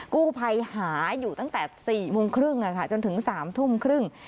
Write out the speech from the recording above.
กู้ภัยหาอยู่ตั้งแต่๔โมงครึ่งจนถึง๓ทุ่มครึ่ง